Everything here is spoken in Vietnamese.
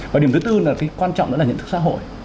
và điểm thứ tư là cái quan trọng nữa là nhận thức xã hội